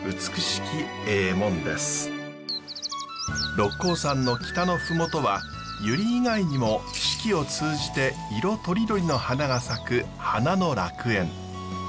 六甲山の北の麓はユリ以外にも四季を通じて色とりどりの花が咲く花の楽園。